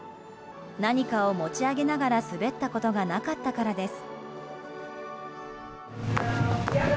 何かを持ち上げながら滑ったことがなかったからです。